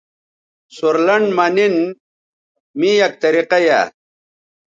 سورلنڈ مہ نِن می یک طریقہ یائ